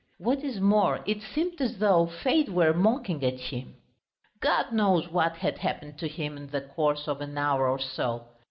What is more, it seemed as though fate were mocking at him. God knows what had happened to him in the course of an hour or so.